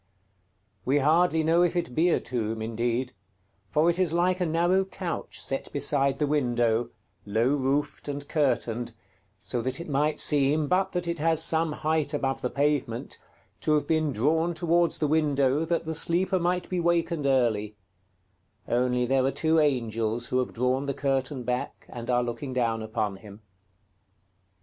We hardly know if it be a tomb indeed; for it is like a narrow couch set beside the window, low roofed and curtained, so that it might seem, but that it has some height above the pavement, to have been drawn towards the window, that the sleeper might be wakened early; only there are two angels who have drawn the curtain back, and are looking down upon him.